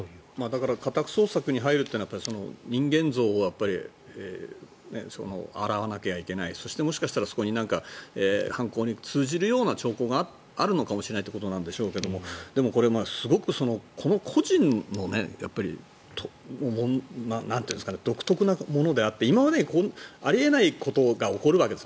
だから家宅捜索に入るというのは人間像を洗わなきゃいけないそしてもしかしたらそこに犯行に通じるような兆候があるのかもしれないということなんでしょうけどでも、これすごくこの個人の独特なものであって今までにあり得ないことが起こるわけです。